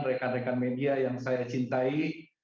rekan rekan media yang saya cintai